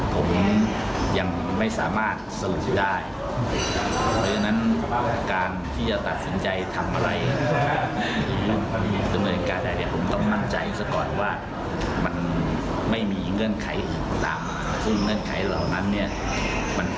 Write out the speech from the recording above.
ทำให้การทำหน้าที่เรียบร้อย